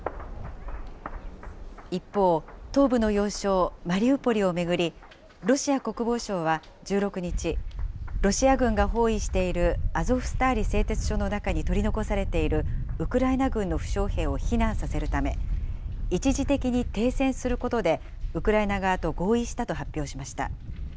一方、東部の要衝マリウポリを巡り、ロシア国防省は１６日、ロシア軍が包囲しているアゾフスターリ製鉄所の中に取り残されているウクライナ軍の負傷兵を避難させるため、一時的に停戦することでウクライナ側と合意したと発表しました。